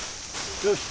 よし。